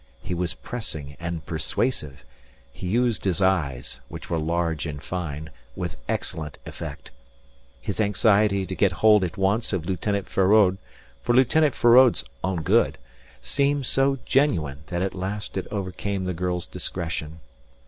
He was pressing and persuasive. He used his eyes, which were large and fine, with excellent effect. His anxiety to get hold at once of Lieutenant Feraud, for Lieutenant Feraud's own good, seemed so genuine that at last it overcame the girl's discretion.